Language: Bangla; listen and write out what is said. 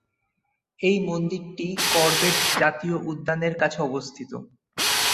এই মন্দিরটি করবেট জাতীয় উদ্যানের কাছে অবস্থিত।